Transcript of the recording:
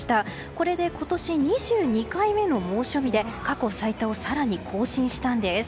これで今年２２回目の猛暑日で過去最多を更に更新したんです。